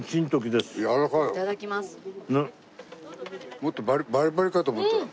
もっとバリバリかと思ってた。